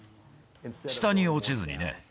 下に落ちずにね。